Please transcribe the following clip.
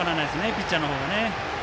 ピッチャーの方もね。